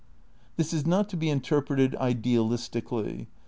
"' This is not to be interpreted idealistically.